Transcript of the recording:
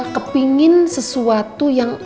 kepingin sesuatu yang